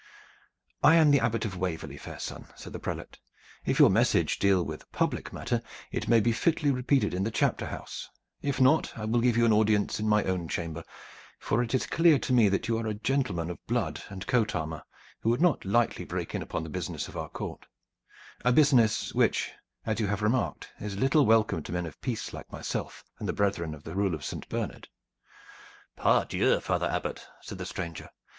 "I am the Abbot of Waverley, fair son," said the prelate. "If your message deal with a public matter it may be fitly repeated in the chapter house; if not I will give you audience in my own chamber; for it is clear to me that you are a gentle man of blood and coat armor who would not lightly break in upon the business of our court a business which, as you have remarked, is little welcome to men of peace like myself and the brethren of the rule of Saint Bernard." "Pardieu! Father Abbot," said the stranger.